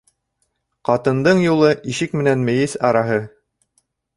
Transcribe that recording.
Ҡатындың юлы ишек менән мейес араһы.